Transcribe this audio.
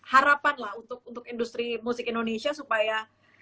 harapan lah untuk industri musik indonesia supaya